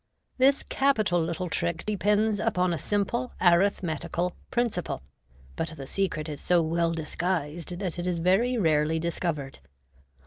This capital little trick depends upon a simple arithmetical prin ciple ; but the secret is so well disguised that it is very rarely dis covered.